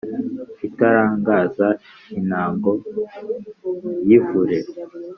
itarangaza intango y' ivure,